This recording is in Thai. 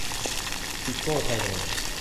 ปิโก ไทยแลนด์